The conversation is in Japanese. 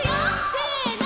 せの！